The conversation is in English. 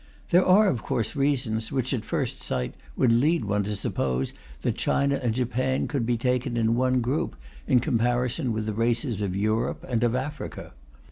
There are, of course, reasons which, at first sight, would lead one to suppose that China and Japan could be taken in one group in comparison with the races of Europe and of Africa.